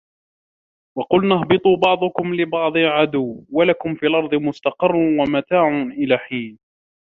ۖ وَقُلْنَا اهْبِطُوا بَعْضُكُمْ لِبَعْضٍ عَدُوٌّ ۖ وَلَكُمْ فِي الْأَرْضِ مُسْتَقَرٌّ وَمَتَاعٌ إِلَىٰ حِينٍ